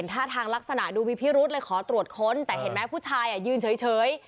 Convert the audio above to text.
แต่เห็นไหมผู้ชายยืนเฉย